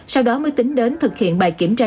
sau đó mới tính đến thực hiện bài kiểm tra